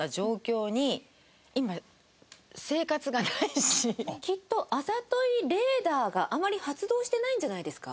だからもうきっとあざといレーダーがあまり発動してないんじゃないですか？